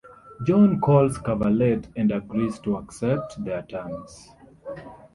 John calls Carvalet and agrees to accept their terms.